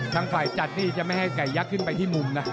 ทางฝ่ายจัดนี่จะไม่ให้ไก่ยักษ์ขึ้นไปที่มุมนะ